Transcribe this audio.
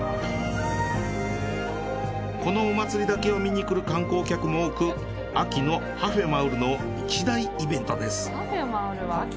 このお祭りだけを見にくる観光客も多く秋のハフェマウルの一大イベントです。